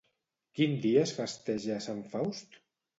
Quin dia es festeja sant Faust?